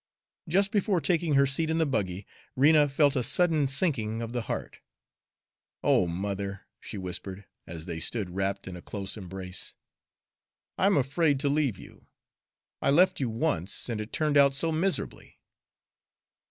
Just before taking her seat in the buggy, Rena felt a sudden sinking of the heart. "Oh, mother," she whispered, as they stood wrapped in a close embrace, "I'm afraid to leave you. I left you once, and it turned out so miserably."